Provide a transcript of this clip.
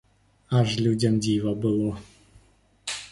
Аж людзям дзіва было.